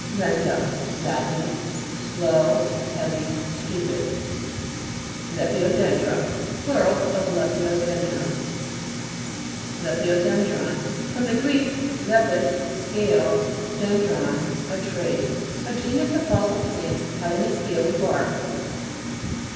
LE'NTA Lat. Slow, heavy, stupid. LEPIDODE'NDBA Plur. of lepidoden dron. LEPTDODE'NDBON fr. gr. lepis, scale, dendrun, a tree. A genus of fossil plants, having a scaly bark.